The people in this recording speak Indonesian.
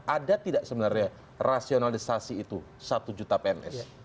ada tidak sebenarnya rasionalisasi itu satu juta pns